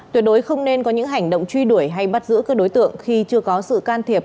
tuyệt đối không nên có những hành động truy đuổi hay bắt giữ các đối tượng khi chưa có sự can thiệp